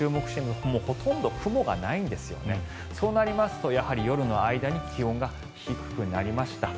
そうなりますと、やはり夜の間に気温が低くなりました。